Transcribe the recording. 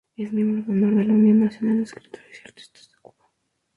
Es miembro de honor de la Unión Nacional de Escritores y Artistas de Cuba.